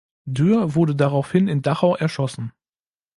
Dürr wurde daraufhin in Dachau erschossen.